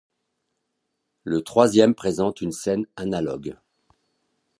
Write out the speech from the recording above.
Le troisième présente une scène analogue.